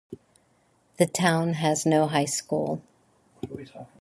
The town has no high school.